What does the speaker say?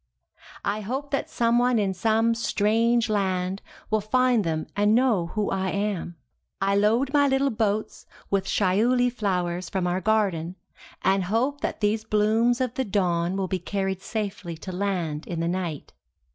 I hope that someone in some strange land will find them and know who I am. I load my little boats with shiuli flowers from our garden, and hope that these blooms of the dawn will be carried safely to land in the night.